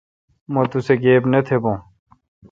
مہ توسہ گیب نہ تھبوں۔